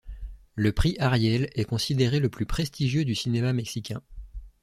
Le prix Ariel est considéré le plus prestigieux du cinéma mexicain.